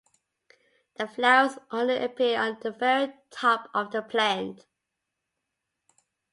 The flowers only appear on the very top of the plant.